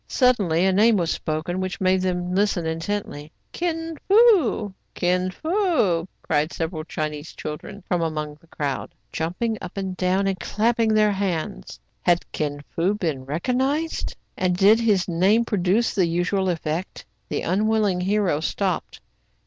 Suddenly a name was spoken which made them listen intently. '* Kin Fo ! Kin Fo !cried several Chinese chil dren from among the crowd, jumping up and down, and clapping their hands. Had Kin Fo been recognized } and did his name produce the usual effect ? The unwilling hero stopped.